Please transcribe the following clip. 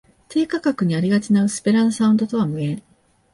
低価格にありがちな薄っぺらなサウンドとは無縁